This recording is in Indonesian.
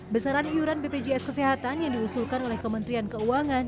besaran iuran bpjs kesehatan yang diusulkan oleh kementerian keuangan